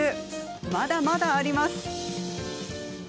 まだまだあります。